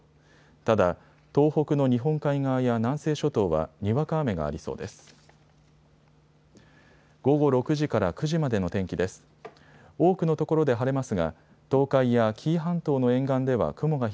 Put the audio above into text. ただ東北の日本海側や南西諸島はにわか雨がありそうです。